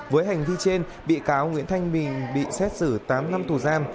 với hành vi trên bị cáo nguyễn thanh bình bị xét xử tám năm tù giam